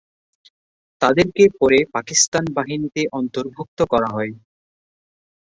তাদেরকে পরে পাকিস্তান বাহিনীতে অন্তর্ভুক্ত করা হয়।